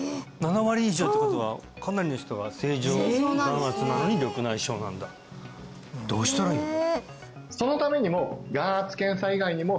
７割以上ってことはかなりの人が正常眼圧なのに緑内障なんだどうしたらいいの？